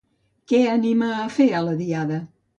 Què anima a fer a la Diada?